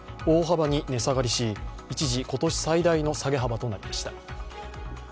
大幅に値下がりし、一時今年最大の下げ幅となりました。